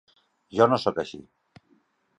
Jo no sóc així.